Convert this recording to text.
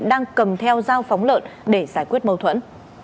đang cầm theo dao phóng lợn để giải quyết mâu thuẫn